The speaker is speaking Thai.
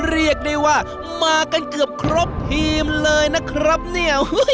เรียกได้ว่ามากันเกือบครบทีมเลยนะครับเนี่ย